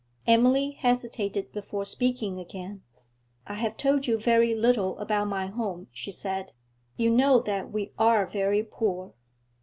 Emily hesitated before speaking again. 'I have told you very little about my home,' she said. 'You know that we are very poor.'